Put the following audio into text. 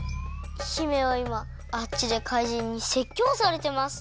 姫はいまあっちでかいじんにせっきょうされてます。